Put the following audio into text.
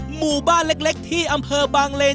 หมู่บ้านเล็กที่อำเภอบางเลน